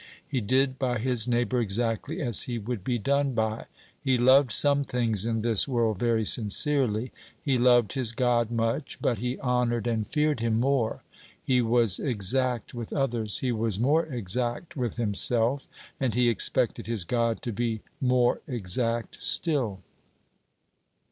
He did by his neighbor exactly as he would be done by; he loved some things in this world very sincerely: he loved his God much, but he honored and feared him more; he was exact with others, he was more exact with himself, and he expected his God to be more exact still.